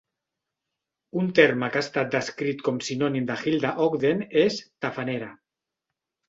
Un terme que ha estat descrit com sinònim de Hilda Ogden és "tafanera".